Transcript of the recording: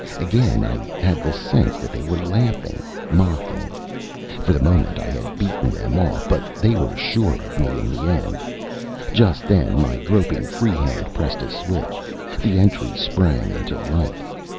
Again I had the sense that they were laughing, mocking. For the moment I had beaten them off, but they were sure of me in the end. Just then my groping free hand pressed a switch. The entry sprang into light.